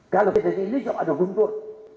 kalau kita di sini coba ada guntur